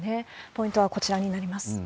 ポイントはこちらになります。